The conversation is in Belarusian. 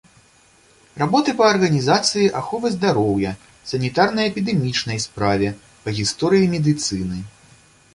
Работы па арганізацыі аховы здароўя, санітарна-эпідэмічнай справе, па гісторыі медыцыны.